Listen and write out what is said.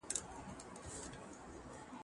دا ډېر لوړ ږغ تر بل ږغ پاڼه ژر ړنګوي.